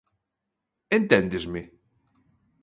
¿Enténdesme?